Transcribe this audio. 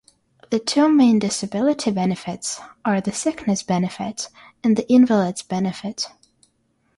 The two main disability benefits are the Sickness Benefit, and the Invalid's Benefit.